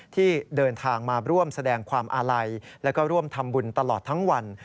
ที่เดินทางมาร่วมแสดงความอาลัยแล้วก็ร่วมทำบุญตลอดทั้งวัน